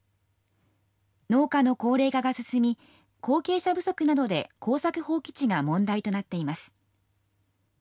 農家の高齢化が進み、後継者不足などで耕作放棄地が問題となっています。